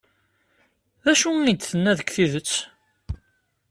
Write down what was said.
D acu ay d-tenna deg tidet?